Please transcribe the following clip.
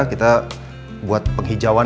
kita buat penghijauan